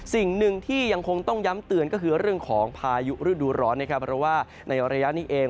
สิ่งหนึ่งที่ยังคงต้องย้ำเตือนก็คือเรื่องของพายุฤดูร้อนนะครับเพราะว่าในระยะนี้เอง